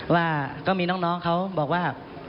ว่าก็มีน้องเขาบอกว่า